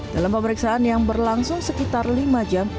dalam pemeriksaan yang berlangsung sekitar lima jam